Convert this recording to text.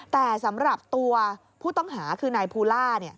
แต่สำหรับตัวผู้ต้องหาคือนายภูล่า